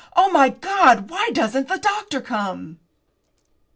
Oh, my God, why doesn't the doctor come?"